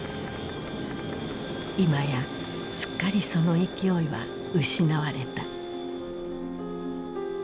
いまやすっかりその勢いは失われた。